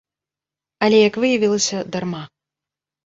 Але, як выявілася, дарма.